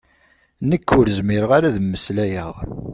Nekk ur zmireɣ ara ad mmeslayeɣ.